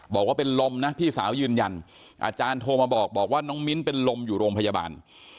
บอกว่าเป็นลมนะพี่สาวยืนยันอาจารย์โทรมาบอกว่าน้องมิ้นเป็นลมอยู่โรงพยาบาล